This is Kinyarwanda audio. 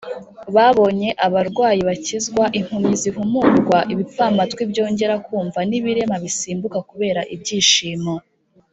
babonye abarwayi bakizwa, impumyi zihumurwa, ibipfamatwi byongera kumva, n’ibirema bisimbuka kubera ibyishimo